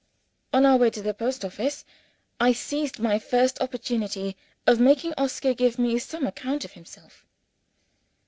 On our way to the post office, I seized my first opportunity of making Oscar give me some account of himself.